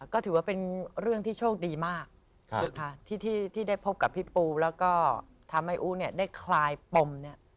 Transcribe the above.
ก็ถือว่าเป็นเรื่องที่โชคดีมากที่ได้พบกับพี่ปูแล้วก็ทำให้อู๋เนี่ยได้คลายปมเนี่ย